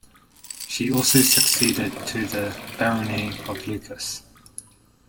She also succeeded to the Barony of Lucas.